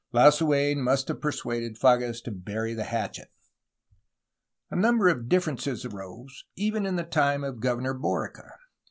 Lasuen must have persuaded Fages to bury the hatchet. A number of differences arose even in the time of Gov ernor Borica.